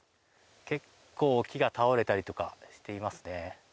結構木が倒れたりとかしていますね。